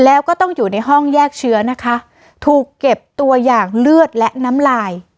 แล้วก็ต้องอยู่ในห้องแยกเชื้อนะคะถูกเก็บตัวอย่างเลือดและน้ำลาย